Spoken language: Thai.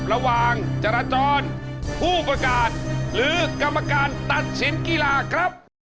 จราจรผู้ประกาศหรือกรรมการตัดสินกีฬาครับ